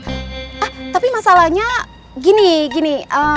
ah tapi masalahnya gini gini